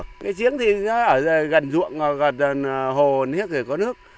cái giếng thì ở gần ruộng gần hồ gần hiếc thì có nước